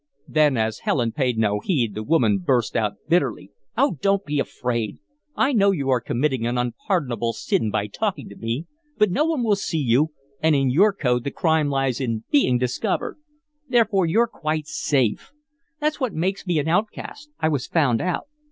Then, as Helen paid no heed, the woman burst out, bitterly: "Oh, don't be afraid! I know you are committing an unpardonable sin by talking to me, but no one will see you, and in your code the crime lies in being discovered. Therefore, you're quite safe. That's what makes me an outcast I was found out.